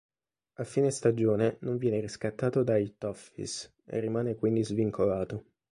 A fine stagione non viene riscattato dai "Toffees" e rimane quindi svincolato.